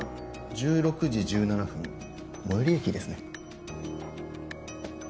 １６時１７分最寄り駅ですね。